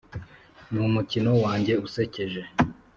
numukino wanjye usekeje,